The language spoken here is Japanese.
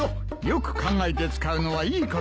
よく考えて使うのはいいことだ。